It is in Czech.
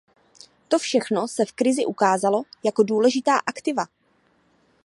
To všechno se v krizi ukázalo jako důležitá aktiva.